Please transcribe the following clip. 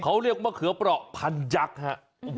เขาเรียกมะเขือเปราะพันยักษ์ฮะ